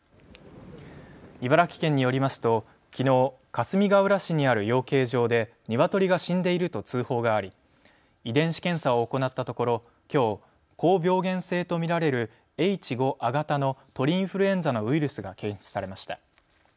茨城県によりますときのう、かすみがうら市にある養鶏場でニワトリが死んでいると通報があり、遺伝子検査を行ったところきょう高病原性と見られるＨ５亜型の鳥インフルエンザのウイルスが検出されました。